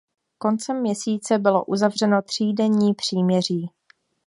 Koncem měsíce bylo uzavřeno třídenní příměří.